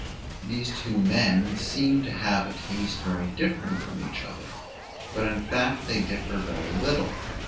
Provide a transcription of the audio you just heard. These two men seem to have a taste very different from each other; but in fact they differ very little.